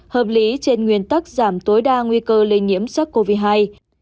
hợp lý trên nguyên tắc giảm tối đa nguy cơ lây nhiễm sát covid hai